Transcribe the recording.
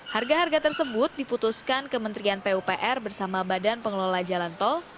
harga harga tersebut diputuskan kementerian pupr bersama badan pengelola jalan tol